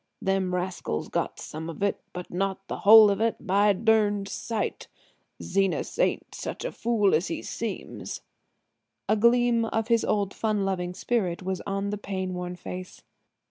Them rascals got some of it, but not the whole of it by a durned sight; Zenas ain't such a fool as he seems," a gleam of his old fun loving spirit was on the pain worn face.